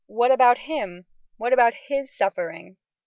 What about him? What about his suffering?